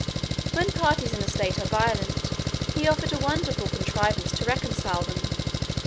When parties in a state are violent, he offered a wonderful contrivance to reconcile them.